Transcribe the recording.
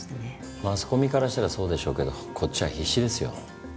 マスコミからしたらそうでしょうけどこっちは必死ですよ。